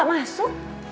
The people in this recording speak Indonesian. sari kata oleh sdi media